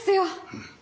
うん。